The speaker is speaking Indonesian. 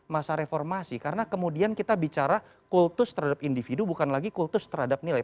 masa reformasi karena kemudian kita bicara kultus terhadap individu bukan lagi kultus terhadap nilai